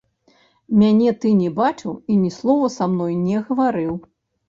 Мяне ты не бачыў і ні слова са мной не гаварыў.